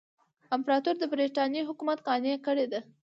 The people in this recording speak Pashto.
امپراطور د برټانیې حکومت قانع کړی دی.